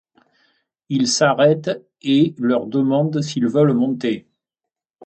Ils s'arrêtent et leur demandent s'ils veulent monter.